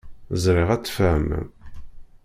Ẓriɣ ad tt-fehmen.